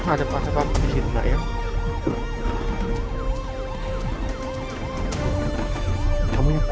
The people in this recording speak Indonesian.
ada pak ketawa di sini enggak ya